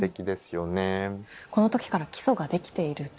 この時から基礎ができているっていう。